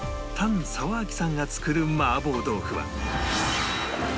譚澤明さんが作る麻婆豆腐は